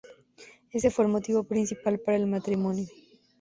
Ese fue el motivo principal para el matrimonio.